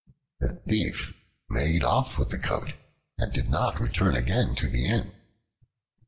The Thief made off with the coat and did not return again to the inn.